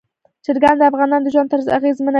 چرګان د افغانانو د ژوند طرز اغېزمنوي.